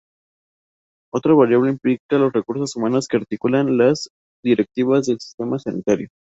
Otra variable implica los recursos humanos que articulan las directivas del sistema sanitario.